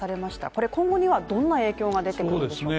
これ今後にはどんな影響が出てくるんでしょうか。